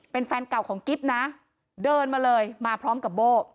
เป็นแฟนเก่าของกิ๊บนะเดินมาเลยมาพร้อมกับโบ้